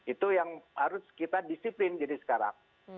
itu yang harus kita disiplin jadi sekarang